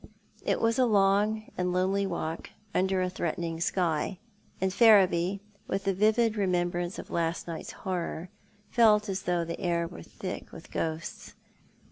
It was a long and lonely walk under a threatening sky, and Ferriby, with the vivid remem brance of last night's horror, felt as if the air were thick with ghosts.